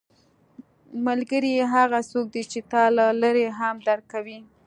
ملګری هغه څوک دی چې تا له لرې هم درک کوي